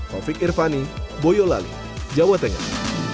taufik irvani boyolali jawa tengah